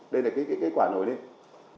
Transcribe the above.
đây là cái quả nổi lên